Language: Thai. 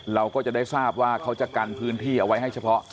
เราก็จะได้ทราบว่าเขาจะกันพื้นที่เอาไว้ให้เฉพาะ